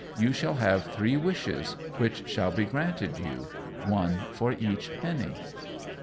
You shall have three wishes, which shall be granted you one for each penny."